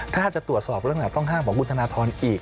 ถ้าจะตรวจสอบเรื่องไหนต้องห้ามของคุณธนทรอีก